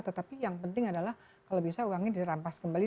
tetapi yang penting adalah kalau bisa uangnya dirampas kembali